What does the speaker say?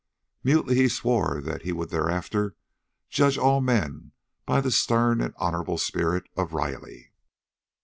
Mutely he swore that he would hereafter judge all men by the stern and honorable spirit of Riley.